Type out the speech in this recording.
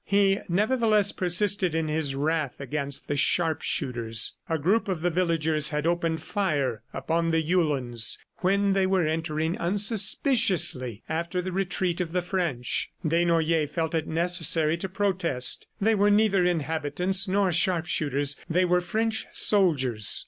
He, nevertheless, persisted in his wrath against the sharpshooters. A group of the villagers had opened fire upon the Uhlans when they were entering unsuspiciously after the retreat of the French. Desnoyers felt it necessary to protest. They were neither inhabitants nor sharpshooters; they were French soldiers.